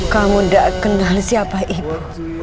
kamu tidak kenal siapa ibu